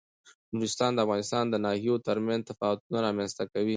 نورستان د افغانستان د ناحیو ترمنځ تفاوتونه رامنځ ته کوي.